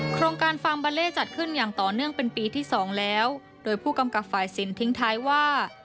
โครงการฟาร์มบาเล่จัดขึ้นอย่างต่อเนื่องเป็นปีที่สองแล้วโดยผู้กำกับฝ่ายสินทิ้งท้ายว่า